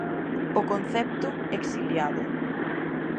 O concepto "exiliado".